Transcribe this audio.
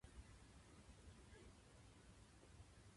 終わらない日々